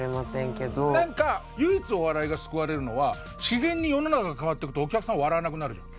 なんか唯一お笑いが救われるのは自然に世の中が変わっていくとお客さん笑わなくなるじゃん。